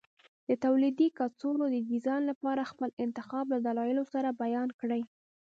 د تولیدي کڅوړو د ډیزاین لپاره خپل انتخاب له دلایلو سره بیان کړئ.